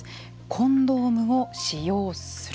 コンドームを使用する。